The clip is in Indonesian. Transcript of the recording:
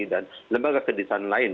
dan lembaga kedinasan lain